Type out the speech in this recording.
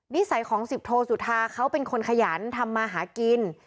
นิสัยของสิบโทสุธาเขาเป็นคนขยันทำมาหากิน